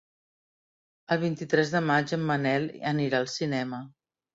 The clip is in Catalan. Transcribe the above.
El vint-i-tres de maig en Manel anirà al cinema.